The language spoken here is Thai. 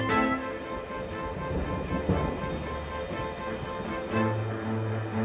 ทุกคนพร้อมแล้วขอเสียงปลุ่มมือต้อนรับ๑๒สาวงามในชุดราตรีได้เลยค่ะ